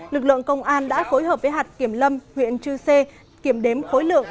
lực lượng công an đã phối hợp với hạt kiểm lâm huyện chư sê kiểm đếm khối lượng